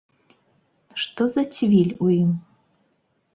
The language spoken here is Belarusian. Што за цвіль у ім?